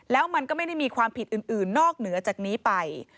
แล้วมันก็ไม่ได้มีความผิดอื่นนอกเหนือจากนี้ไป